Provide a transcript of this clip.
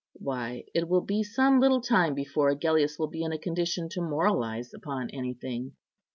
Why, it will be some little time before Agellius will be in a condition to moralize upon anything.